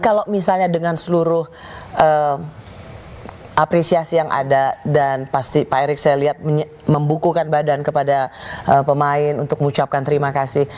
kalau misalnya dengan seluruh apresiasi yang ada dan pasti pak erick saya lihat membukukan badan kepada pemain untuk mengucapkan terima kasih